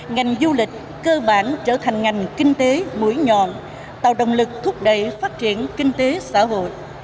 ngành du lịch cơ bản trở thành ngành kinh tế mũi nhọn tạo động lực thúc đẩy phát triển kinh tế xã hội